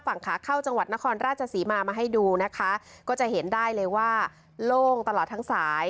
ฝั่งขาเข้าจังหวัดนครราชศรีมามาให้ดูนะคะก็จะเห็นได้เลยว่าโล่งตลอดทั้งสาย